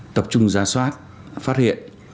tập trung ra soát phát hiện